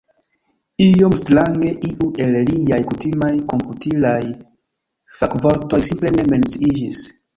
Iom strange iu el liaj kutimaj komputilaj fakvortoj simple ne menciiĝis.